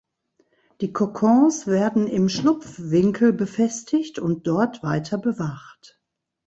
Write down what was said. Die Kokons werden im Schlupfwinkel befestigt und dort weiter bewacht.